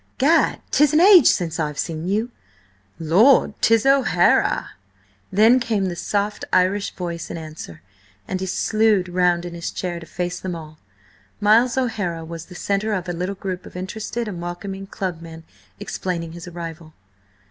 "Gad, 'tis an age since I've seen you!" "Lord, 'tis O'Hara!" Then carne the soft Irish voice in answer, and he slewed round in his chair to face them all. Miles O'Hara was the centre of a little group of interested and welcoming club men, explaining his arrival.